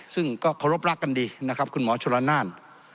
ซึ่งก็เคารพรักกันดีนะครับคุณหมอชนละนาน